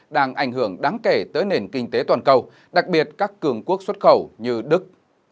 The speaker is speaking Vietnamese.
đang ảnh hưởng đáng kể tới nền kinh tế toàn cầu đặc biệt các cường quốc xuất khẩu như đức